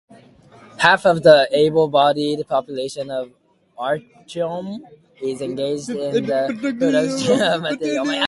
Half of the able-bodied population of Artyom is engaged in the production of materials.